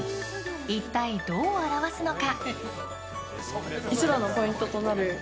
一体どう表すのか？